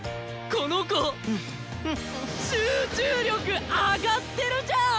この子集中力上がってるじゃん！